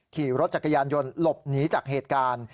ขี่รถจักรยานยนต์หลบหนีจากเหตุการณ์